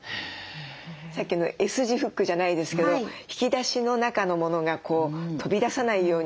さっきのＳ字フックじゃないですけど引き出しの中のものが飛び出さないようにしておくと片づけも楽ですか？